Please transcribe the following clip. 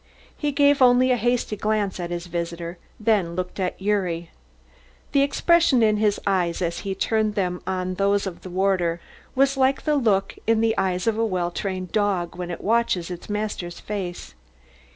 He gave only a hasty glance at his visitor, then looked at Gyuri. The expression in his eyes as he turned them on those of the warder was like the look in the eyes of a well trained dog when it watches its master's face.